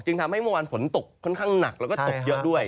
ทำให้เมื่อวานฝนตกค่อนข้างหนักแล้วก็ตกเยอะด้วย